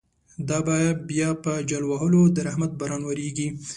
دابه بیا په جل وهلو، درحمت باران وریږی